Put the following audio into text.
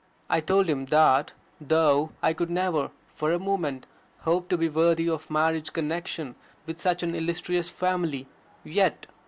I told him that, "though I could never for a moment hope to be worthy of marriage connection with such an illustrious family, yet...